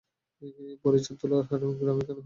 বরীচের তুলার হাট এবং গ্রাম এখান হইতে দূরে।